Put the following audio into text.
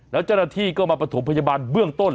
แล้วเจ้าหน้าที่ก็มาประถมพยาบาลเบื้องต้น